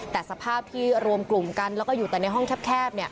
แต่สภาพที่รวมกลุ่มกันแล้วก็อยู่แต่ในห้องแคบ